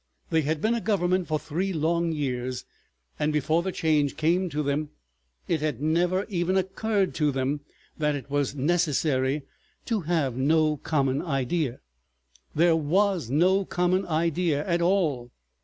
They had been a Government for three long years, and before the Change came to them it had never even occurred to them that it was necessary to have a common idea. There was no common idea at all.